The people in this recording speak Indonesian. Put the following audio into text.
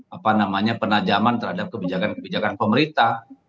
apa namanya penajaman terhadap kebijakan kebijakan pemerintah